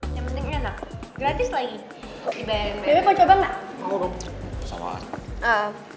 enggak mau dong kesalahan